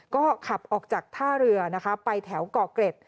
ก็ขับออกจากท่าเรือไปแถวกรเกร็ด